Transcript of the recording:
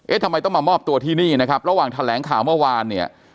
ทำไมต้องมามอบตัวที่นี่นะครับระหว่างแถลงข่าวเมื่อวานเนี่ย